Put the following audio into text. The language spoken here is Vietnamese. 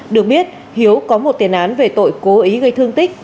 được biết hiếu có một tiền án về tội cố ý gây thương tích